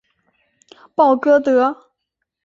鲍戈德。